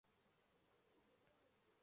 至元十六年。